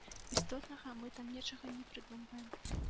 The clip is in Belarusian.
Істотнага мы там нечага не прыдумваем.